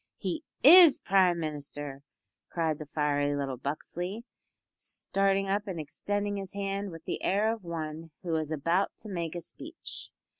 "He is Prime Minister," cried the fiery little Buxley, starting up and extending his hand with the air of one who is about to make a speech.